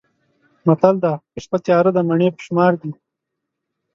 متل دی: که شپه تیاره ده مڼې په شمار دي.